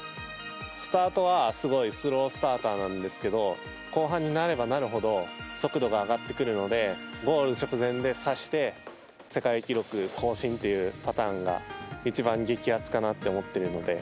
スタートは、すごいスロースターターなんですけど後半になればなるほど速度が上がってくるのでゴール直前でさして世界記録更新というのが更新というパターンが一番激アツかなと思っているので。